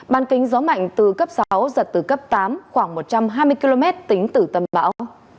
ban kính gió mạnh từ cấp sáu giật từ cấp tám khoảng một trăm hai mươi km tính từ tâm bão